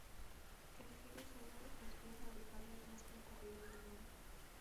El río es una de las vías navegables más concurridas del mundo.